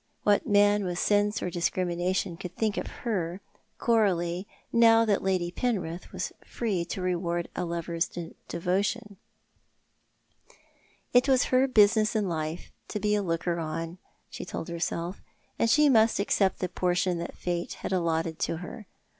What man with sense or discrimination could think of her, Coralie, now that Lady Penrith was free to reward a lover's devotion ? It was her business in life to bo a looker on, she told herself, and she must accept the portion that Fate had allotted to her.